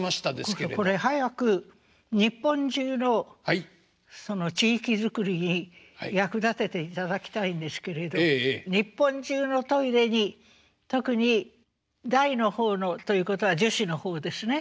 これ早く日本中のその地域づくりに役立てていただきたいんですけれど日本中のトイレに特に大の方のということは女子の方ですね。